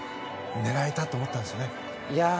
狙えたって思ったんですね。